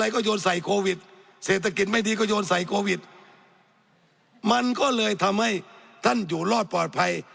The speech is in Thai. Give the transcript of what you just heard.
ก็โยนใส่โควิดมันก็เลยทำให้ท่านอยู่รอดปลอดภัย